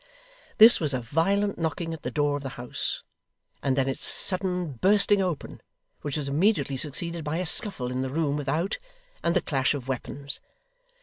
This was a violent knocking at the door of the house, and then its sudden bursting open; which was immediately succeeded by a scuffle in the room without, and the clash of weapons.